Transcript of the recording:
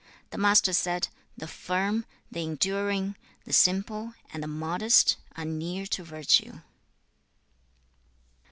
The Master said, 'The firm, the enduring, the simple, and the modest are near to virtue.'